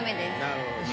なるほど。